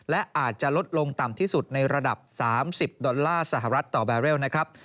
และอาจจะลดลงต่ำที่สุดในระดับ๓๐ดอลลาร์สหรัฐต่อแบเรลนะครับ